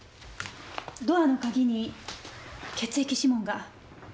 ドアの鍵に血液指紋が。